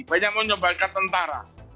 banyak menyumbangkan tentara